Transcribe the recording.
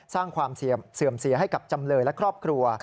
สร้างความเสื่อมเสียให้กับจำเลยและครอบครัว